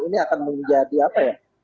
ini akan menjadi apa ya